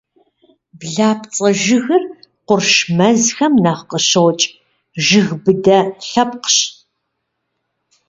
Блапцӏэ жыгыр къурш мэзхэм нэхъ къыщокӏ, жыг быдэ лъэпкъщ.